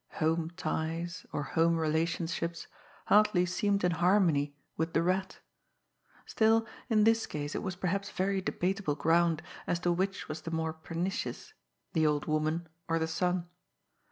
Home ties, or home relationships, hardly seemed in harmony with the Rat! Still, in this case, it was perhaps very debatable ground as to which was the more pernicious, the old woman or the son!